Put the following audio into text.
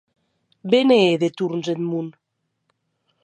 Be ne hè de torns eth mon!